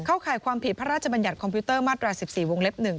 ข่ายความผิดพระราชบัญญัติคอมพิวเตอร์มาตรา๑๔วงเล็บ๑